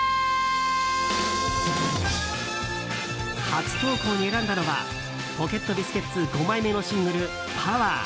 初投稿に選んだのはポケットビスケッツ５枚目のシングル「ＰＯＷＥＲ」。